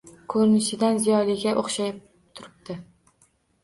Ko`rinishidan ziyoliga o`xshab turibdi